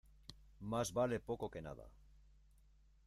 Más vale poco que nada.